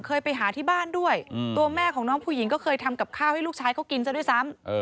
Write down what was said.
เคยไปหาที่บ้านด้วยตัวแม่ของน้องผู้หญิงก็เคยทำกับข้าวให้ลูกชายเขากินซะด้วยซ้ำ